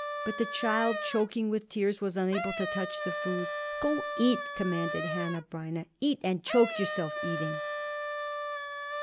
But the child, choking with tears, was unable to touch the food. "Go eat!" commanded Hanneh Breineh. "Eat and choke yourself eating!"